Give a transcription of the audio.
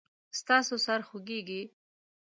ستاسو سر خوږیږي؟